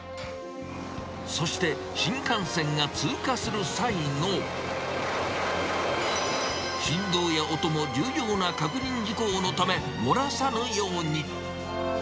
そして、新幹線が通過する際の振動や音も重要な確認事項のため、漏らさぬように。